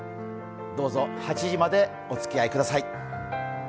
どうぞ８時までおつき合いください。